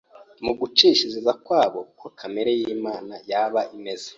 Mu gucishiriza kwabo uko kamere y’Imana yaba imeze,